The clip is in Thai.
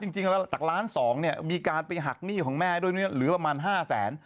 จริงแล้วจากล้านสองเนี่ยมีการไปหักหนี้ของแม่ด้วยเหลือประมาณ๕แสน